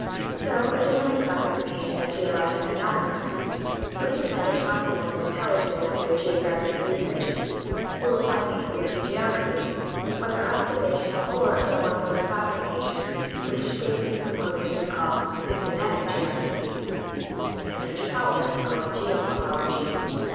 So a genetic classification of geologic phenomena (which is rendered possible and intelligible through geographic research) will apply equally to geography, whether observational or of the more philosophic nature which Davis proposes to call Systematic Geography, and which Powell has called Geomorphology.